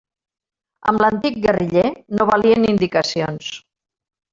Amb l'antic guerriller no valien indicacions.